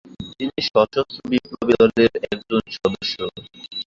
তিনি সশস্ত্র বিপ্লবী দলের একজন সদস্য।